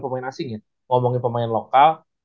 pemain asing ya ngomongin pemain lokal